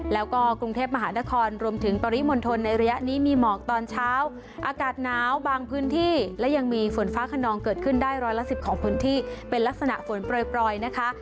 แล้วก็กรุงเทพมหานครรวมถึงปริมณฑลในระยะนี้มีหมอกตอนเช้าอากาศหนาวบางพื้นที่และยังมีฝนฟ้าขนองเกิดขึ้นได้ร้อยละสิบของพื้นที่เป็นลักษณะฝนปล่อยนะคะ